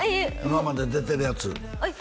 今まで出てるやつえっ